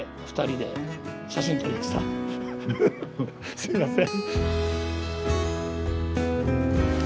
すいません。